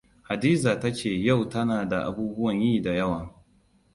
Hadizaam ta ce yau tana da abubuwan yi da yawa.